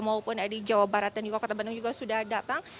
maupun di jawa barat dan juga kota bandung juga sudah datang